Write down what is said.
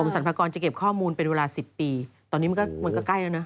สรรพากรจะเก็บข้อมูลเป็นเวลา๑๐ปีตอนนี้มันก็ใกล้แล้วนะ